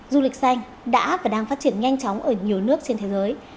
du lịch xanh đã và đang phát triển nhanh chóng ở nhiều nước trên thế giới